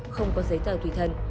không có giấy tờ tùy thân